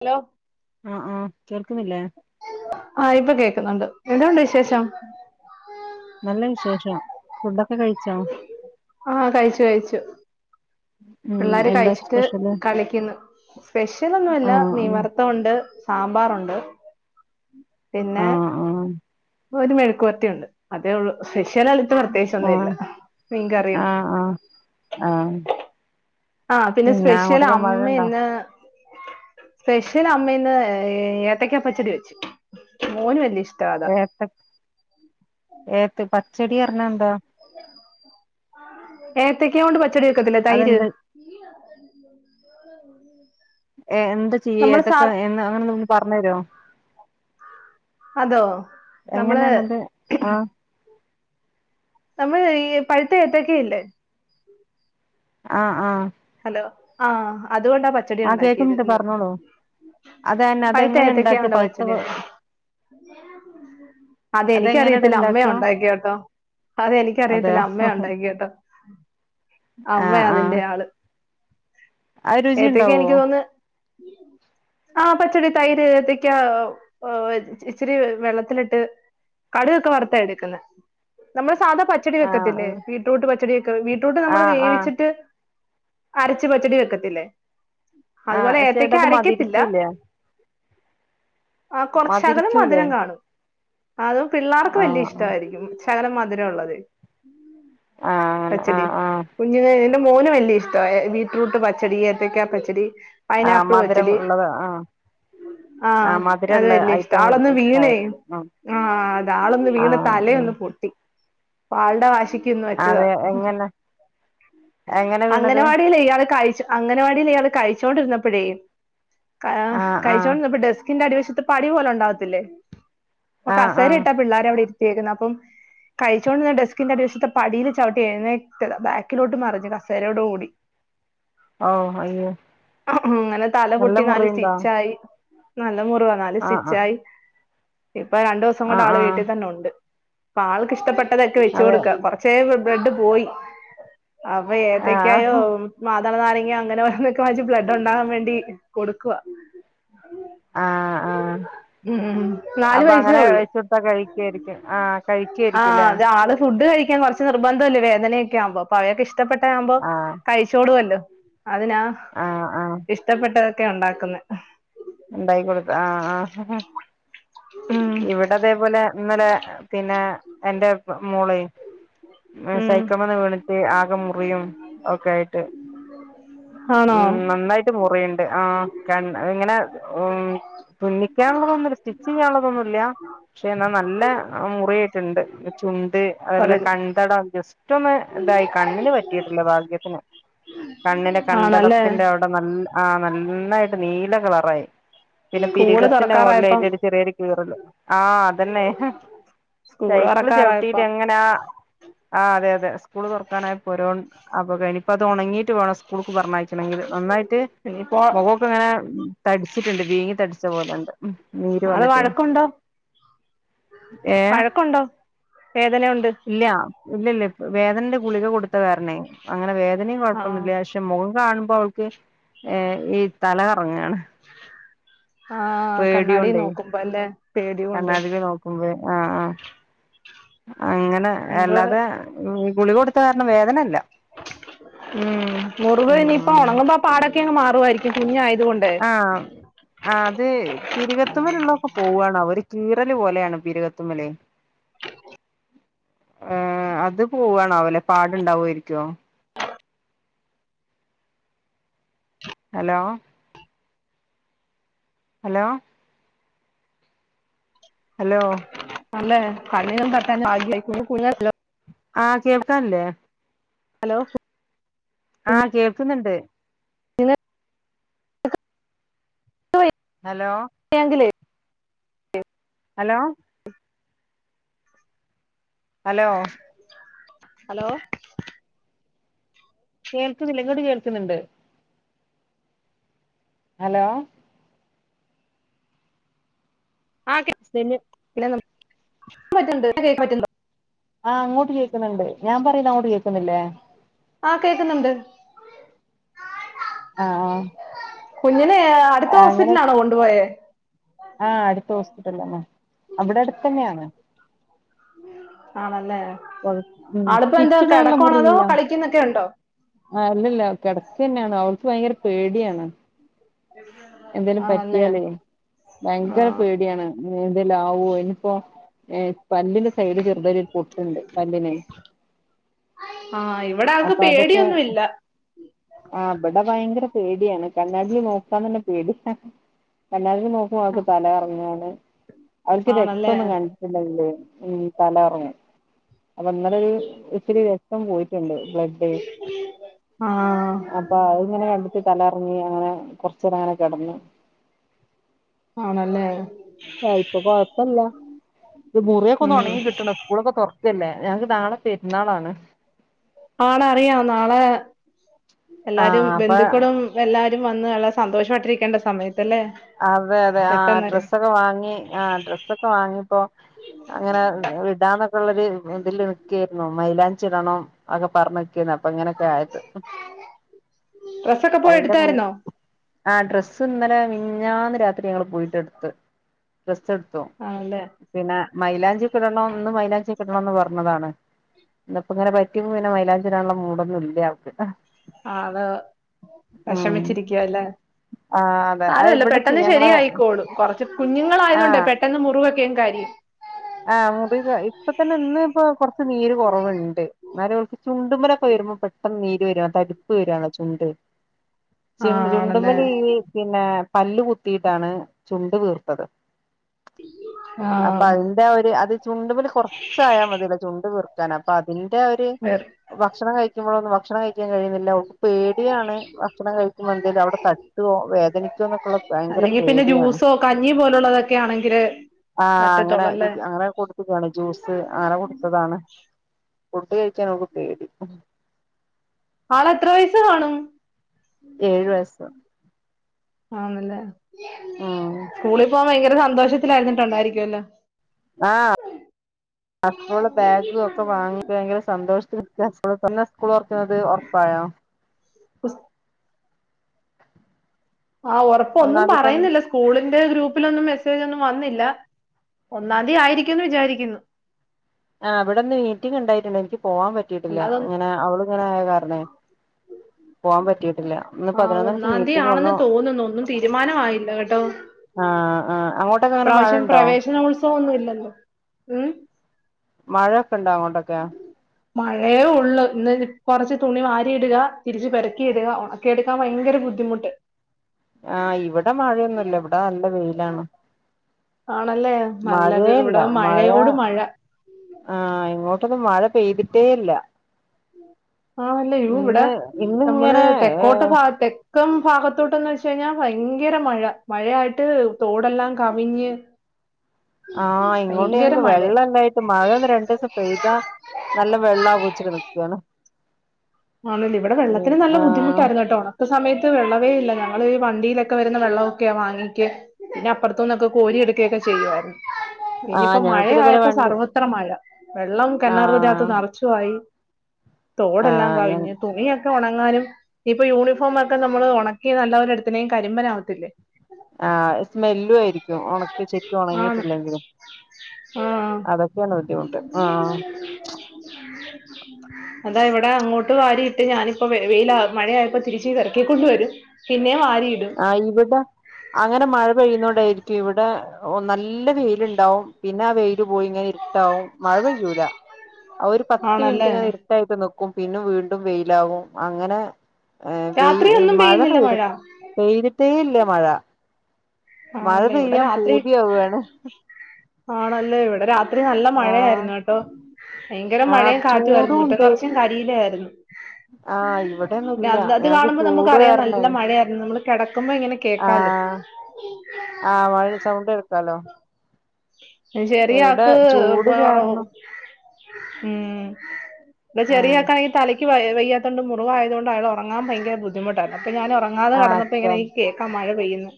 Hello ആഹ് ആഹ് കേൾക്കുന്നില്ലേ ആഹ് ഇപ്പൊ കേക്കുന്നുണ്ട് ഇവിടെ എന്ത് വിശേഷം നല്ല വിശേഷം ഫുഡൊക്കെ കഴി ആഹ് കഴിച്ചു കഴിച്ചു ഉം പിള്ളേര് എന്താ കഴിച്ചിട്ട് സ്പെഷ്യല് കളിക്കുന്നു സ്പെഷ്യലൊന്നുല്ല മീൻ ആഹ് വർ ത്തൊണ്ട് സാമ്പാറോണ്ട് പിന്നെ ആഹ് ആഹ് ഒരു മെഴുക്കുവരട്ടിയൊണ്ട് അതേള്ളു സ്പെഷ്യൽ അളത്ത് ആഹ് പ്രത്യേകിച്ചൊന്നുല്ല ആഹ് മീൻകറിയൊണ്ട് ആഹ് ആഹ് ആഹ് ആഹ് പിന്നെ സ്പെഷ്യല് അങ്ങോട്ടൊക്കെ അമ്മ മഴണ്ടോ ഇന്ന് സ്പെഷ്യല് അമ്മ ഇന്ന് ഏത്തക്ക പച്ചടി വെച്ചു മോന് വല്യ ഇഷ് ഏത്ത ഏത്ത് പച്ചടി പറഞ്ഞാ എന്താ ഏത്തക്ക കൊണ്ട് പച്ചടി വെക്കത്തില്ലെ തൈര് അതെന്ത് [unintelligible] എ എന്ത് ചെയ്യ നമ്മള് സാ ഏത്തക്ക എന്ന് അങ്ങനെ ഒന്ന് പറഞ്ഞു തരുവോ അതോ നമ്മള് എങ്ങനെയാണത് ആഹ് നമ്മൾ ഈ പഴുത്ത ഏത്തക്കെയില്ലേ ആഹ് ആഹ് ഹലോ ആഹ് അതുകൊണ്ടാ പച്ചടി ആഹ് ഉണ്ടാക്കിയത് കേക്കുന്നുണ്ട് ഇന്ന് പറഞ്ഞോളൂ അതന്നെ പഴ്ത്ത അതെങ്ങനെ എത്തക്ക ഇണ്ടാക്ക കൊണ്ട പഴുത്ത പച്ചടി അതെ അതെങ്ങനെട എനിക്കറിയത്തില്ല അമ്മയാ ഇണ്ടാക്ക ഉണ്ടാക്കി കേട്ടോ അത് എനിക്കറിയത്തില്ല അതെയോ അമ്മയാ ഉണ്ടാക്കി കേട്ടോ ആഹ് അമ്മയാ ആഹ് അതിന്റെ ആള് അത് രുചി ഏത്തക്ക ഉണ്ടാവോ എനിക്ക് തോന്ന് ആ പച്ചടി തൈര് ഏതക്കാ ഇച്ചിരി വെള്ളത്തിലിട്ട് കടുവക്കാ വറുത്താ എടുക്കുന്നെ നമ്മള് സാധാ പച്ചടി ആഹ് വെക്കത്തില്ലെ ആഹ് ബീറ്റ്റൂട്ട് പച്ചടി വെക്ക ബീറ്റ്റൂട്ട് നമ്മള് ആഹ് ആഹ് വേവിച്ചിട്ട് അരച്ച് പച്ചടി വെക്കത്തില്ലേ അതുപോലെ ആഹ് ചേട്ടാ ഏത്തക്ക അത് അരക്കത്തില്ല മതിരിക്കൂലേ ആ കൊ ശകലം മതിരിക്കൂലേ മധുരം കാണും അത് പിള്ളാർക്ക് വലിയ ആഹ് ഇഷ്ടയിരിക്കും ശകലം മധുരം ഉള്ളതെ ആഹ് ആഹ് പച്ചടി ആഹ് ആഹ് കുഞ്ഞിനെ എന്റെ മോന് വല്യ ഇഷ് ട്ടവ ബീറ്റ്റൂട്ട് പച്ചടി ഏത്തക്ക പച്ചടി ആഹ് പൈനാപ്പിൾ മധുരം പച്ചടി ഉള്ളത് ആഹ് ആഹ് അത് മധുരള്ള വല്യ ഇഷ്ട ഐറ്റം ആളൊന്ന് വീണേ ഇഷ്ടായിരിക്കും ഉം ആഹ് അതാളൊന്ന് വീണ് ആഹ് ആഹ് തലയൊന്ന് പൊട്ടി അപ്പൊ ആളുടെ വാശിക്ക് ഇന്ന് വെച്ചതാ അതെ എങ്ങനെ എങ്ങനെ വീണത് അംഗനവാടിയിൽ ഇയാള് കഴച്ചു അംഗനവാടിയിൽ ഇയാൾ കഴിച്ചോണ്ടിരുന്നപ്പോഴേ ക ആഹ് ആഹ് കഴിച്ചോണ്ടിരുന്നപ്പോ ഡെസ്കിന്റെ അടിവശത്ത് പടി പോലെ ഉണ്ടാവത്തില്ലേ അപ്പ ആഹ് കസേര ആഹ് ഇട്ട പിള്ളേർ അവിടെ ഇരുത്തിയേക്കുന്ന അപ്പം കഴിച്ചുകൊണ്ട് ഡെസ്കിന്റെ അടിവശത്തെ പടിയില് ചവിട്ടി എഴുന്നേറ്റത ബാക്കിലോട്ട് മറിഞ്ഞ ക സേരോടുകൂടി ഓ അയ്യോ അങ്ങനെ തല നല്ല പൊട്ടി നാല് മുറിയുണ്ടോ സ്റ്റിച്ച് ആയി നല്ല മുറിവാ നാല് ആഹ് സ്റ്റിച്ച് ആഹ് ആയി ഇപ്പൊ രണ്ടു ദിവസം കൊണ്ട് ആഹ് ആള് ആഹ് വീട്ടിൽ തന്നെ ഉണ്ട് പ്പൊ ആൾക്ക് ഇഷ്ടപ്പെട്ടതൊക്കെ വെച്ച് അതെ കൊടുക്ക കൊറച്ചെ ബ്ലഡ്‌ പോയി അപ്പോ ഏത്തക്കയോ ആഹ് മാതള നാരങ്ങ അങ്ങനെ വലൊക്കെ വായിച്ച് ബ്ലഡ് ഉണ്ടാകാൻ വേണ്ടി കൊടുക്കുവാ ആഹ് ആഹ് ഉം ഉം നാല് അപ്പൊ വയസേ അങ്ങനെ ഉള്ളൂ വെച്ച് കൊടുത്താ കഴിക്കുവായിരിക്കും ആഹ് കഴിക്കുവായിരിക്കുംല്ലേ ആഹ് ആള് ഫുഡ് കഴിക്കാൻ കുറ ച്ച് നിർബന്ധല്ലേ വേതന ഒക്കെ ആകുമ്പോ അപ്പൊ അയാൾക്ക് ഇഷ്പ്പെട്ടതാകുമ്പോ ആഹ് കഴിച്ചോള്ളുല്ലോ അതിനാ ആഹ് ആഹ് ഇഷ്ടപ്പെട്ടതൊക്കെ ഉണ്ടാക്കുന്നെ ഉണ്ടായി കൊടുത്ത ആഹ് ആഹ് ഉം ഇവിട അതേപോലെ ഇന്നലെ പിന്നെ എന്റെ മോളേ ഉം സൈക്കമെന്ന് വീണിട്ട് ആകെ മുറിയും ഒക്കെ ആയിട്ട് ഉം ആണോ നന്നായിട്ട് മുറിയുണ്ട് ആ കണ് ഇങ്ങനെ ഉം തുന്നിക്കാനുള്ളതൊന്നുല്ല സ്റ്റിച്ച് ചെയ്യാനുള്ളതൊന്നുല്ല പക്ഷെ എന്നാൽ നല്ല മുറി ഒക്കെ ഉണ്ട് ചു അത് പറ അതേപോലെ കൺതടം ജസ്റ്റ് ഒന്ന് ഇതായി കണ്ണിന് പറ്റിട്ടില്ല ഭാഗ്യത്തിന് കണ്ണിന്റ ആണല്ലേ കൺതടത്തിന്റ അവിട നല്ല ആഹ് നന്നായിട്ട് നീല കളറായി പിന്നെ സ്കൂള് പിരികത്തിന്റെ തുറക്കാറായപ്പം മുകളിലായിട്ട് ഒരു ചെറിയൊരു കീറലും ആഹ് അതന്നെ സ്കൂള് സൈക്കിള് ചവിട്ടീട്ട് തുറക്കാറായപ്പം അങ്ങനാ ആഹ് അതെ അതെ സ്കൂള് തുറക്കാനായപ്പോരോ [unintelligible] ഇപ്പത് ഒണങ്ങീട്ട് വേണം സ്കൂള്ക്ക് പറഞ്ഞയക്കണെങ്കില് നന്നായിട്ട് ഇനിയിപ്പോ മൊഖൊ പ്പിങ്ങനേ തടിച്ചിട്ടെണ്ട് വീങ്ങി തടിച്ച പോലെണ്ട് നീര് ആള് വന്നിട്ട് ഏ വഴക്കൊണ്ടോ വേദന കൊണ്ട് ഇല്ല ഇല്ലില്ല ഇപ്പ വേദനന്റെ ഗുളിക കൊടുത്തകാരണേ അങ്ങനെ വേദനയും ആഹ് കൊഴപ്പൊന്നുല്ല ക്ഷെ മുഖം കാണുമ്പൊഅവൾക്ക് ഏഹ് ഈ തല കറങ്ങകാണ് ആഹ് കണ്ണാടി പേടിയോണ്ടേ നോക്കുമ്പൊ അല്ലേ പേടികൊണ്ട് ഉവ്വ് ആഹ് ആഹ് അങ്ങനെ മുറ് അല്ലാതെ ഗുളിക കൊടുത്ത കാരണം വേദനല്ല ഉം മുറിവ് ഉം ഇനിയിപ്പ ഉം ഒണങ്ങുമ്പൊ പാടൊക്കെ അങ്ങ് മാറുവായിരിക്കും കുഞ്ഞായത് കൊണ്ട് ആഹ് [inaudible] ആഹ് അത് പിരികത്തുമ്മേലിള്ളതൊക്കെ പോവ്വാണാവോ ഒരു കീറലു പോലെയാണ് പിരികത്തുമ്മല് [inaudible] ആഹ് അത് പോവ്വാണാവല്ലെ പാടിണ്ടാവേരിക്കോ ഹലോ ഹലോ ഹലോ അല്ലെ കണ്ണിനും തട്ടാഞ്ഞ ഭാഗ്യമായി കുഞ്ഞു [unintelligible] ആഹ് കേൾക്കാനില്ലേ ഹലോ ആഹ് കേൾക്ക്ന്നിണ്ട് [unintelligible] ഹലോ ഴെങ്കിലേ ഹലോ ഹലോ ഹലോ കേൾക്കുന്നില്ലേ ഇങ്ങോട്ട് കേൾക്കുന്നിണ്ട് ഹലോ ആഹ് കേ [unintelligible] [unintelligible] ആഹ് അങ്ങോട്ട് കേക്ക്ന്നെണ്ട് ഞാൻ പറയുന്ന അങ്ങോട്ട് കേക്കുന്നില്ലേ ആഹ് കേക്ക്ന്നെണ്ട് ആഹ് ആഹ് കുഞ്ഞിനേ അടുത്ത അങ്ങനെ ഹോസ്പിറ്റൽലാണോ കൊണ്ടുപോയേ ആഹ് അടുത്ത ഹോസ്പിറ്റലന്നെ അവിടെ അടുത്ത് തന്നെയാണ് ആണല്ലേ ഉം ആളിപ്പോ എന്താ സ്റ്റിച്ചിടാനുള്ള കിടക്കുവാണോ അതോ കളി ക്കുന്നൊക്കെ ഒണ്ടൊ ആഹ് അല്ലല്ലാ കിടക്ക് തന്നെയാണ് അവൾക്ക് ഭയങ്കര പേടിയാണ് [inaudible] എന്തേലും ആണല്ലേ പറ്റിയാലേ ആ ഭയങ്കര പേടിയാണ് എന്തേലും ആവോ ഇനിപ്പൊ ഏഹ് പല്ലിന്റെ സൈഡ് ചെറുതൊയൊരു പൊട്ടുണ്ട് പല്ലിന് ആഹ് ഇവിടെ ആൾക്ക് പേടിയൊന്നുമില്ല ആഹ് ഇവിടെ ഭയങ്കര പേടിയാണ് കണ്ണാടി നോക്കാൻ തന്നെ പേടി കണ്ണാടി നോ അവൾക്ക് തല കറങ്ങുവാണ് അവൾക്ക് രക്തം ആണല്ലേ ഒന്നും കണ്ടിട്ടിട്ടൊങ്കില് ഉംഹ് തലകറങ്ങും അപ്പൊ ഇന്നലെ ഒരു ഇത്തിരി രക്തം പോയിട്ടുണ്ട് ബ്ലെഡേ ആഹ് അപ്പൊ അതിങ്ങനെ കണ്ടിട്ട് തലകറങ്ങി അങ്ങനെ കൊറച്ച് നേരം അങ്ങനെ കിടന്നു ആണല്ലേ ആഹ് ഇപ്പൊ കൊഴപ്പില്ല ഇത് മുറിയൊക്കൊന്ന് ഉം ഉണങ്ങി കിട്ടണം സ്കൂളൊക്കെ തൊറക്കല്ലേ ഞങ്ങൾക്ക് നാളെ പെരുന്നാളാണ് ആണ് അറിയാം നാളെ എല്ലാരും ആഹ് അപ്പൊ ബന്ധുക്കളും എല്ലാരും വന്ന് നല്ല സന്തോഷായിട്ടിരിക്കേണ്ട സമയത്തല്ലേ. അതെ അതെ ആഹ് പെട്ടെന്നൊരു ഡ്രസ്സൊക്കെ വാങ്ങി ആഹ് ഡ്രസ്സൊക്കെ വാങ്ങിപ്പൊ അങ്ങനെ ഇടാന്നൊക്കെയുള്ളരു ഇതില് നിക്കാരുന്നു മൈലാഞ്ചിടണം. അതൊക്കെ പറഞ്ഞിക്കേന്നു അപ്പൊ ഇങ്ങനെ ആയത് ഡ്രസ്സൊക്കെ പോയി അയിന്റെ മൂ എടുത്തായിരുന്നോ ആഹ് ഡ്രസ്സ് ഇന്നലെ മിനിഞ്ഞാന്ന് രാത്രി ഞങ്ങള് പോയിട്ട് എടുത്ത് ഡ്രസ്സ് എടുത്തു. ആഹ് അല്ലെ പിന്നെ മലാഞ്ചിക്കിടണോം ഇന്ന് മൈലാഞ്ചിക്കടണോന്ന് പറഞ്ഞതാണ്. ഇന്ന്പ്പിങ്ങനെ പറ്റിയപ്പൊ പിന്നെ മൈലാഞ്ചിടാനുള്ള മൂടൊന്നും ഇല്ല അവക്ക്. ആഹ് അത് ഉം വെഷമിച്ചിരിക്കുവാ അല്ലേ ആ അതെ അത് സാരവില്ല ഇവിടെ പെട്ടെന്ന് ഞങ്ങളെ ശെരിയായിക്കോളും കൊറച്ച് കുഞ്ഞുങ്ങളായത് കൊണ്ടേ ആഹ് പെട്ടെന്ന് മുറിവൊക്കെ അങ്ങ് കരിയും ആഹ് മുറിവ് ഇപ്പൊ തന്നെ ഇന്ന് ഇപ്പൊ കൊറച്ച് നീര് കൊറവുണ്ട് എന്നാല് ചുണ്ടുമേലൊക്കെ വരുമ്പോ പെട്ടെന്ന് നീര് വരാ തടിപ്പ് വരാണ് ചുണ്ട്. ചു ആ ആണല്ലേ ചുണ്ടുമേല് പിന്നെ പല്ല് കുത്തീട്ടാണ് ചുണ്ട് വീർത്തത് ആ അപ്പൊ അയിന്റെ ഒരു അത് ചുണ്ടുമേല് കുറച്ചായ മതില്ലോ ചുണ്ട് വീർക്കും അപ്പൊ അതിന്റെ ഒര് വേറെ ഭക്ഷണം കഴിക്കുമ്പോഴൊന്ന് ഭക്ഷണം കഴിക്കാൻ കഴിയ ഓക്ക് പേടിയാണ് ഭക്ഷണം കഴിക്കുമ്പോ എന്തേലും അവടെ തട്ടോ വേദനിക്കോന്നൊക്കൊള്ള. അല്ലെങ്കി പിന്നെ ജ്യൂസോ കഞ്ഞി പോലുള്ളതൊക്കെ ആണെങ്കില് ആഹ് അങ്ങനെ പറ്റത്തൊള്ളല്ലെ. അങ്ങനെ കൊടുത്തുകാണ് ജ്യൂസ് അങ്ങനെ കൊടുത്തതാണ് ഫുഡ് കഴിക്കാൻ ഓക്ക് പേടി. ആളെത്ര വയസ് കാണും ഏഴ് വയസ് ആന്നല്ലേ ഉം സ്കൂളിൽ പോവാൻ ഭയങ്കര സന്തോഷത്തിലായിരുന്നുണ്ടായിരിക്കൂ ല്ലോ ആഹ് അത്രോള്ളു ബാഗ് ഒക്കെ വാങ്ങി ഭയങ്കര സന്തോഷത്തില് തന്നെ എന്നാ സ്കൂൾ തുറക്കണത് ഉറപ്പായോ. ആഹ് ഒറപ്പൊന്നും ഒന്നാതി തന്നെ പറയുന്നില്ല സ്കൂളിന്റെ ഗ്രൂപ്പിലൊന്നും മെസ്സേജ് ഒന്നും വന്നില്ല ഒന്നാം തീയതി ആയിരിക്കുംന്ന് വിചാരിക്കുന്നു ആഹ് ഇവടെന്ന് മീറ്റിംഗ് ഉണ്ടായിണ്ടായി എനിക്ക് പോവാൻ പറ്റീട്ടില്ല അല്ലാതെ അങ്ങനെ അവളിങ്ങനെ ആയത് കാരണേ പോവാൻ പറ്റിയിട്ടില്ല ഇന്ന് [unintelligible] ആഹ് പതിനൊന്നരക്ക് ഒന്നാംതീ മീറ്റിംഗ് ആണെന്ന് ഒന്നും തോന്നുന്നു ഒന്നും തീരുമാനയില്ല കേട്ടോ. ആഹ് ആഹ് അങ്ങോ ഇപ്രാവശ്യം പ്രവേശനോത്സവൊന്നും ഇല്ലല്ലോ ഉംഹ് മഴക്കെ ഉണ്ടോ അങ്ങോട്ടൊക്കെ ഉം മഴയേ ഒള്ളൂ ഇന്ന് കൊറച്ച് തുണി വാരി ഇടുക തിരിച്ച് പെറുക്കിടുക ഒണക്കി എടുക്കാൻ ഭയങ്കര ബുദ്ധിമുട്ട് [inaudible] ആഹ് ഇവടെ മഴയൊന്നുല്ല ഇവടെ നല്ല വെയിലാണ് ആണല്ലേ നല്ലത് മഴയില്ല ഇവടെ മഴ മഴയോട് മഴ ആഹ് ഇങ്ങോട്ടൊന്ന്‌ മഴ പെയ്തിട്ടേ ഇല്ല ആണല്ലേയോ ഇവടെ ഇന്ന് നമ്മള് ഇന്നിങ്ങനെ തെക്കോട്ട് ഭാഗത് ക്കം ഭാഗത്തോട്ട്ന്ന് വെച്ച് കഴിഞ്ഞാ ഭയങ്കര മഴ മഴയായിട്ട് തോടെല്ലാം കവിഞ്ഞ് ആഹ് ഇങ്ങോട്ട് ഭയങ്കര ഞങ്ങക്ക് മഴ വെള്ളണ്ടായ് ത് മഴയൊന്ന് രണ്ടീസം പെയ്താ നല്ല വെള്ളാവോച്ചിട്ട് നിക്കാണ് ആണല്ല ഇവടെ വെള്ളത്തിന് നല്ല ആഹ് ബുദ്ധിമുട്ടായിരുന്നെട്ടോണം ഇപ്പ സമയത്ത് വെള്ളവേ ഇല്ല ഞങ്ങള് ഈ വണ്ടിയിലൊക്കെ വരുന്ന വെള്ളവൊക്കെയാ വാങ്ങിക്ക. പിന്നെ അപ്പറത്തൂന്നൊക്കെ കോരി എടുക്കൊക്കെ ചെയ്യായിരുന്നു ആഹ് പിന്നിപ്പോ ഞങ്ങക്ക് ഇതേപോലെ മഴയായപ്പോ വണ്ട് സർവ്വത്ര മഴ വെള്ളം കിണറിനകത്ത് ആഹ് നറച്ചു ആയി തോടെല്ലാം ക ആഹ് തുണിയൊക്കെ ഒണങ്ങാനും ഇപ്പൊ യൂണിഫോമൊക്കെ നമ്മള് ഒണക്കി നല്ലപോലെടുത്തിനേൽ കരിമ്പന ആവത്തില്ലേ ആഹ് സ്മെല്ലു ആയിരിക്കും ഒണക്കി ശെരിക്ക് ആണ് ഒണങ്ങിട്ടില്ലെങ്കില് ആഹ് അതൊക്കെണ് ബുദ്ധിമുട്ട് ആഹ് അതാ ഇവിടെ അങ്ങോ, ട്ട് വാരിയിട്ട് ഞാനിപ്പോ വെയില മഴയായപ്പോ തിരിച്ച് ഇറക്കിക്കൊണ്ട് വരും പിന്നെ വാരിയിട്ട് ആഹ് ഇവിടെ അങ്ങനെ മഴ പെയ്യുന്നോണ്ടായിരിക്കും ഇവിടെ ഓഹ് നല്ല വെയിലുണ്ടാവും പിന്നെ ആ വെയി ല് പോയിങ്ങനെ ഇര്ട്ടാവും മഴ പെയ്യൂല അഹ് ഒരു പത്ത് ആണല്ലേ മിനിറ്റിങ്ങെനെ ഇര്ട്ടായിട്ട് നിക്കും പിന്നെ വീണ്ടും വെയിലാവും അങ്ങനെ വെയ് രാത്രിയൊന്നും മഴ പെയ്യുന്നില്ല പെയ്തി പെയ്തിട്ടേ ഇല്ല മഴ മഴ ആണല്ലേ ഇവിടെ പെയ്യാൻ രാത്രി പൂതിയാവാണ് ആണല്ലേ ഇവിടെ രാത് ത്രി നല്ല ആഹ് മഴയായിരുന്നു കേട്ടോ ഭയങ്കര ആഹ് മഴയും കാറ്റുമായിരുന്നു ചൂടും മുറ്റം ഉണ്ട് നെറച്ചു കരിയില ആയിരുന്നു ആഹ് ഇവിടെന്നും ഇല്ല [unintelligible] അത് ഞങ്ങക്ക് കാണുമ്പോ ചൂട് നമുക്കറിയാം കാരണേ നല്ല മഴയായിരുന്നു നമ്മള് കിടക്കുമ്പോ എങ്ങനെ ആഹ് ആഹ് മഴന്റെ സൗണ്ട് കേൾക്കാലോ എഹ് ചെറിയ ഇവിടെ ആൾക് ചൂട് കാരണം [unintelligible] ഉം ഇന്റെ ഉം ചെറിയാക്കാണെങ്കി തല ക്ക് വയ്യാത്തോണ്ട് മുറിവായതുകൊണ്ട് അയാൾ ഉറങ്ങാൻ ഭയങ്കര ബുദ്ധിുട്ടായിരുന്നു അപ്പ ഞാൻ ഉറങ്ങാതെ ആഹ് കെടന്നപ്പോ കെ ഇങ്ങനെ ഈ കേൾക്കാ മഴ പെയ്യുന്നു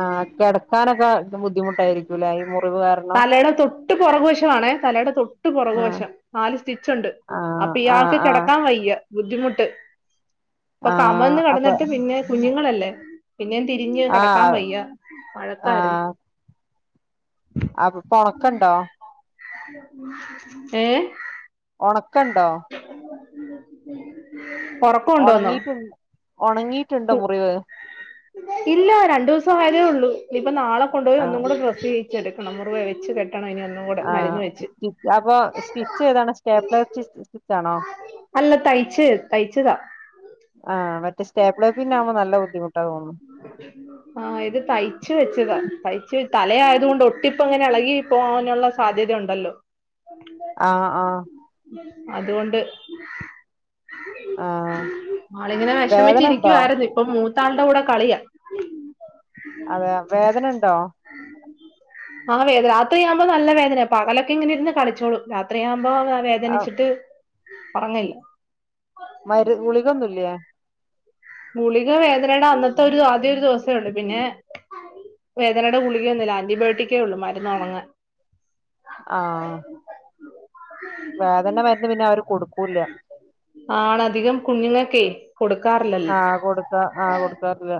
ആഹ് കെടക്കാനൊക്കെ ബുദ്ധിമുട്ടായിരിക്കൂലെ ഈ മുറിവ് കാരണം തലേടെ തൊ ട്ട് പുറകുവശമാണേ തലേടെ തൊട്ട് ആഹ് പുറകുവശം നാല് സ്റ്റിച്ചുണ്ട് ആഹ് അപ്പൊ ആഹ് ഇയാൾക്ക് ആഹ് കിടക്കാൻ വയ്യ ബുദ്ധിമുട്ട് ഇപ്പൊ ആഹ് കമന്ന് അപ്പൊ കടന്നിട്ട് പിന്നെ കുഞ്ഞുങ്ങളല്ലേ പിന്നേ തിരിഞ്ഞ് കടക്കാൻ ആഹ് വയ്യ വഴക്കാരുന്നു ആഹ് അപ്പൊ പ്പ ഒണക്കണ്ടോ ഏഹ് ഒണക്കണ്ടോ ഒറ ഒണങ്ങിട്ട് ഒണങ്ങിയിട്ട്ണ്ടോ മുറിവ് ഇല്ല രണ്ടുസം ആയതേ ഉള്ളൂ ഇനിപ്പ നാളെ കൊണ്ടുപോയി ഒന്നും ആഹ് കൂടെ ഡ്രസ്സ് ചെയ്യിച്ച് എടുക്കണം മുറിവ് വെച്ച് കെട് ആഹ് സ്റ്റിച്ച് അപ്പൊ സ്റ്റിച്ച് ഏതാണ് സ്റ്റേപ്പ്ലയർ സ്റ്റിച്ച് ആണോ അല്ല തയ്ച്ച് തയ്ച്ചതാ ആഹ് മറ്റേ സ്റ്റേപ്ലയർ പിന്നാവുമ്പോ നല്ല ബുദ്ധിമുട്ടാ തോനുന്നു ആഹ് ഇത് തയ്ച്ച് വെച്ചതാ തയ്ച്ച് തലയായത് കൊണ്ട് ഒട്ടിപ്പ് ഇങ്ങനെ എളകി പോവാനൊള്ള സാധ്യത ഒണ്ടല്ലോ ആഹ് ആഹ് അതുകൊണ്ട് ആഹ് ആളിങ്ങനെ വെഷ് വേദന ഉണ്ടോ ഇപ്പം മൂത്താൾടെ കൂടെ കളിയാ അതെയാ വേദന ഇണ്ടോ? ആഹ [inaudible] ആഹ് വേദന രാത്രിയാവുമ്പോ നല്ല വേദനയാ പകലൊക്കെ ഇങ്ങനെ ഇരുന്ന് കളിച്ചോളും രാത്രിയാവുമ്പോ ക ആഹ് വേദനിച്ചിട്ട് ഒറങ്ങില്ലാ മരു ഗുളികൊന്നുല്ലേ? ഗുളിക വേദനേടെ അന്നത്തെ ഒരു ആദ്യ ഒരു ദിവസേ ഒള്ളൂ ഇപ് പിന്നെ വേദനേടെ ഗുളികയൊന്നും ഇല്ലാ ആന്റിബയോട്ടിക്കേ ഉള്ളൂ മരുന്നൊണങ്ങാൻ ആഹ് വേദനേന്റെ മരുന്ന് പിന്നെ അവര് കൊടുക്കൂല്ലാ ആണധികം കുഞ്ഞുങ്ങക്കെ കൊടുക്കാറില്ലൽ ആഹ് കൊടുത്താ ആഹ് കൊടുക്കാറില്ലാ